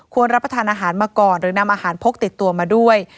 รับประทานอาหารมาก่อนหรือนำอาหารพกติดตัวมาด้วย